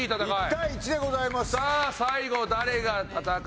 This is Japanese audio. １対１でございます。